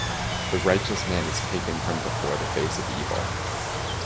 The righteous man is taken from before the face of evil.